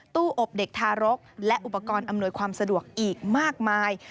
อบเด็กทารกและอุปกรณ์อำนวยความสะดวกอีกมากมาย